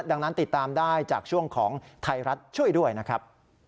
ดังนั้นติดตามได้จากช่วงของไทยรัฐช่วยด้วยนะครับ